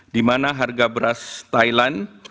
di mana harga beras thailand